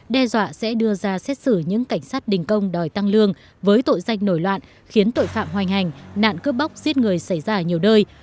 đe dọa sẽ đưa ra xét xử những cảnh sát đình công đòi tăng lương với tội danh nổi loạn khiến tội phạm hoành hành nạn cướp bóc giết người xảy ra ở nhiều nơi